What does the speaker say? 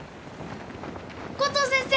コトー先生。